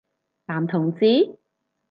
男同志？